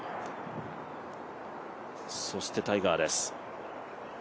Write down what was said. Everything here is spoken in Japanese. そしてタイガーです。